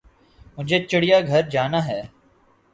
مجھے چڑیا گھر جانا ہے